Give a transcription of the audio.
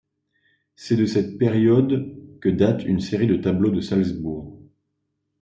C’est de cette période que date une série de tableaux de Salzbourg.